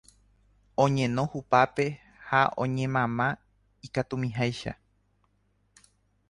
Oñeno hupápe ha oñemama ikatumiháicha